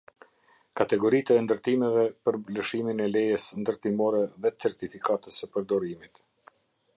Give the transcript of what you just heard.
Kategoritë e ndërtimeve për lëshimin e lejes ndërtimore dhe certifikatës së përdorimit.